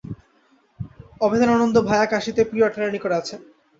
অভেদানন্দ-ভায়া কাশীতে প্রিয় ডাক্তারের নিকট আছেন।